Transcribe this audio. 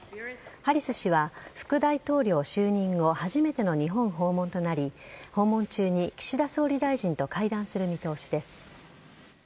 ハリス氏は副大統領就任後初めての日本訪問となり訪問中に岸田総理大臣と会談する見通しです。